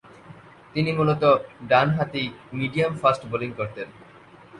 তিনি মূলতঃ ডানহাতি মিডিয়াম-ফাস্ট বোলিং করতেন।